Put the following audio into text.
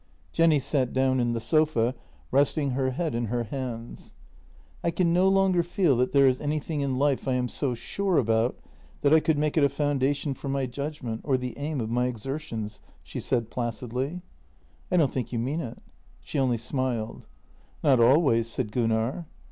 Jenny sat down in the sofa, resting her head in her hands: " I can no longer feel that there is anything in life I am so sure about that I could make it a foundation for my judgment or the aim of my exertions," she said placidly. " I don't think you mean it." She only smiled. " Not always," said Gunnar.